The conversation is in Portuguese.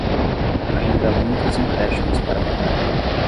Ainda há muitos empréstimos para pagar.